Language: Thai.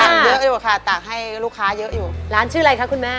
ต่างเยอะอยู่ค่ะต่างให้ลูกค้าเยอะอยู่ร้านชื่ออะไรค่ะคุณแม่